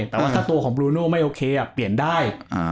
แต่ว่าถ้าตัวของบลูโน่ไม่โอเคเปลี่ยนได้